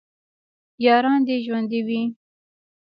یاران دې ژوندي وي